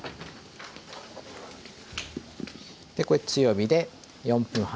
これ強火で４分半。